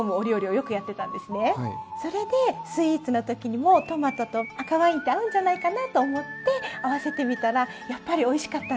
それでスイーツの時にもトマトと赤ワインって合うんじゃないかなと思って合わせてみたらやっぱりおいしかったんです。